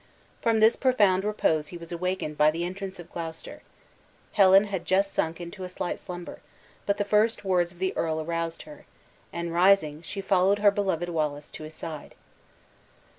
From this profound repose he was awakened by the entrance of Gloucester. Helen had just sunk into a slight slumber; but the first words of the earl aroused her, and rising, she followed her beloved Wallace to his side.